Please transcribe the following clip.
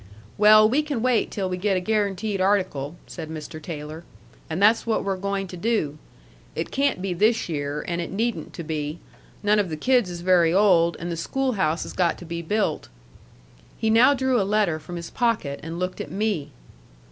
"Well, we can wait till we get a guaranteed article," said Mr. Taylor. "And that's what we're going to do. It can't be this year, and it needn't to be. None of the kids is very old, and the schoolhouse has got to be built." He now drew a letter from his pocket, and looked at me.